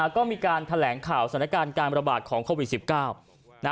ก็มีการแถลงข่าวสถานการณ์การระบาดของโควิด๑๙